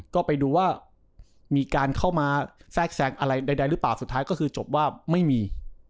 ก็ไปดูว่ามีการเข้ามาแทรกแซงอะไรใดหรือเปล่าสุดท้ายก็คือจบว่าไม่มี